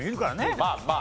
まあまあ。